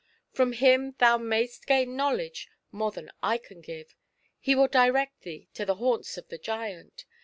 From him thou mayst gain knowledge more than I can give — he will direct thee to the haxmts of the giant.